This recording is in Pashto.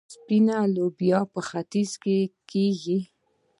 سپینه لوبیا په ختیځ کې کیږي.